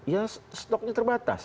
ya stoknya terbatas